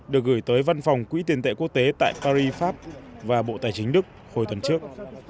được gửi tới văn phòng quỹ tiền tệ quốc tế tại paris pháp và bộ tài chính đức hồi tuần trước